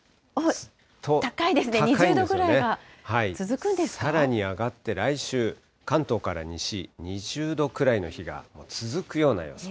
高いですね、２０度ぐらいが続くさらに上がって、来週、関東から西、２０度くらいの日が続くような予想。